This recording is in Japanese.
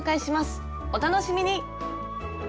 お楽しみに！